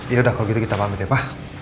yaudah kalau gitu kita pamit ya pak